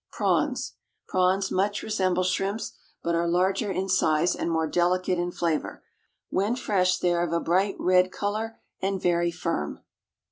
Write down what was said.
=Prawns.= Prawns much resemble shrimps, but are larger in size and more delicate in flavour. When fresh they are of a bright red colour, and very firm.